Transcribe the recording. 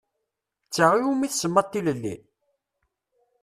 D ta i wumi tsemmaḍ tilelli?